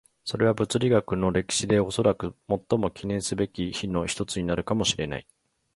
それは物理学の歴史でおそらく最も記念すべき日の一つになるかもしれない。